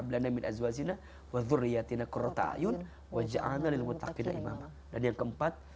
dan yang keempat